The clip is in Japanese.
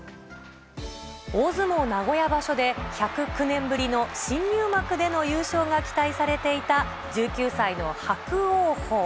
大相撲名古屋場所で、１０９年ぶりの新入幕での優勝が期待されていた、１９歳の伯桜鵬。